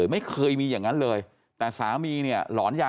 อย่าอยู่ตรงนั้นคุณไอ้ฝนช่วยด้วยดีนะ